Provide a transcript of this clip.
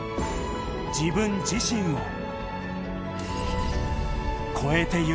自分自身を。